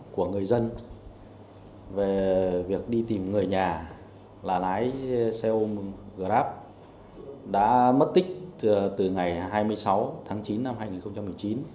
của người dân về việc đi tìm người nhà là lái xe grab đã mất tích từ ngày hai mươi sáu tháng chín năm hai nghìn một mươi chín